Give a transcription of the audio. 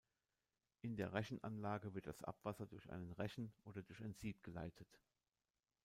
In der Rechenanlage wird das Abwasser durch einen Rechen oder durch ein Sieb geleitet.